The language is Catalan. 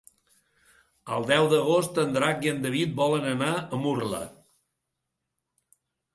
El deu d'agost en Drac i en David volen anar a Murla.